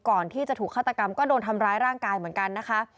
ก่อนที่จะถูกฆาตกรรมก็โดนทำร้ายร่างกายเหมือนกันนะคะ